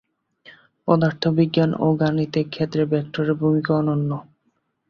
পদার্থবিজ্ঞান ও গাণিতিক ক্ষেত্রে ভেক্টরের ভূমিকা অনন্য।